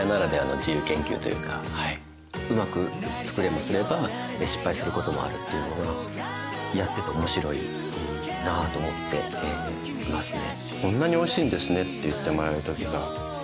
うまく作れもすれば失敗する事もあるっていうのがやってて面白いなと思っていますね。